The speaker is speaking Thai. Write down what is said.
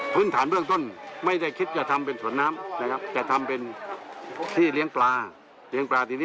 มาเล่นเกิดความสวยงาม